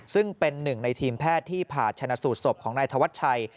ซึ่งเป็นหนึ่งในทีมแพทย์ที่ผ่าชนะสูตรศพของนายธวัชชัย